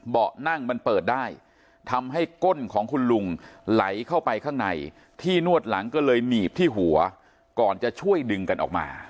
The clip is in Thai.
นั่งมันเปิดได้ทำให้ก้นของคุณลุงไหลเข้าไปข้างในที่นวดหลังก็เลยหนีบที่หัวก่อนจะช่วยดึงกันออกมา